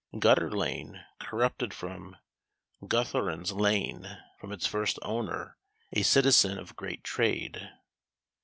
Gutter lane, corrupted from Guthurun's lane; from its first owner, a citizen of great trade.